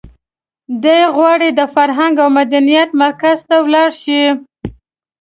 دی غواړي د فرهنګ او مدنیت مرکز ته ولاړ شي.